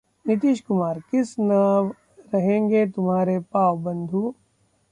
नीतीश कुमार: किस नाव रहेंगे तुम्हारे पांव बंधु